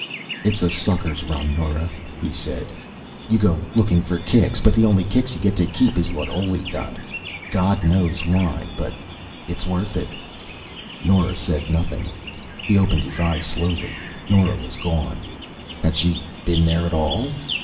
"It's a sucker's run, Nora," he said. "You go looking for kicks, but the only kicks you get to keep is what Oley got. God knows why but it's worth it." Nora said nothing. He opened his eyes slowly. Nora was gone. Had she been there at all?